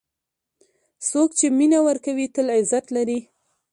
څوک چې مینه ورکوي، تل عزت لري.